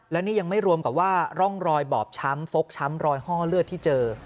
และนี่ยังไม่รวมกับว่าร่องรอยบอบช้ำฟกช้ำรอยห้อเลือดที่เจอ